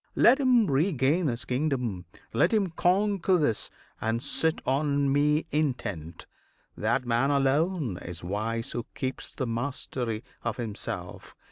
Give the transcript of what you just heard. Let him regain His kingdom! let him conquer this, and sit On Me intent. That man alone is wise Who keeps the mastery of himself!